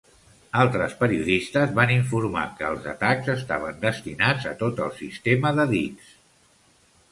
Altres periodistes van informar que els atacs estaven "destinats a tot el sistema de dics".